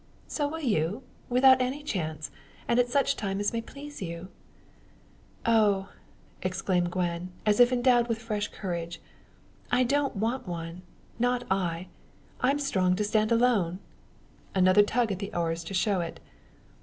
"So will you; without any chance, and at such time as may please you." "Oh!" exclaims Gwen, as if endowed with fresh courage. "I don't want one not I! I'm strong to stand alone." Another tug at the oars to show it.